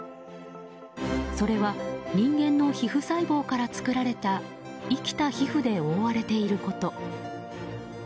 それは人間の皮膚細胞から作られた生きた皮膚で覆われていること。